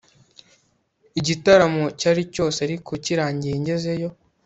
Igitaramo cyari cyose ariko kirangiye ngezeyo